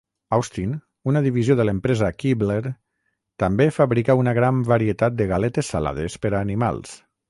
Austin, una divisió de l'empresa Keebler, també fabrica una gran varietat de galetes salades per a animals.